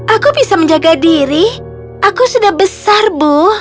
aku bisa menjaga diri aku sudah besar bu